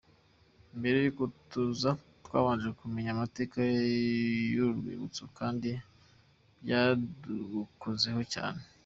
Mbere y’uko tuza twabanje kumenya amateka y’uru rwibutso kandi byadukozeho cyane.